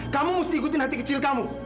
kamu mesti ikutin hati kecil kamu